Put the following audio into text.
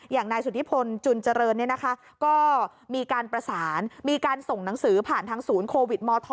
อย่างนายสุธิพลจุนเจริญก็มีการประสานมีการส่งหนังสือผ่านทางศูนย์โควิดมธ